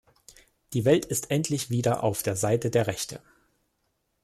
Die Welt ist endlich wieder auf der Seite der Rechte.